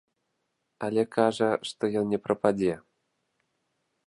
Але кажа, што ён не прападзе.